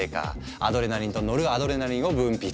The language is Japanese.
アドレナリンとノルアドレナリンを分泌。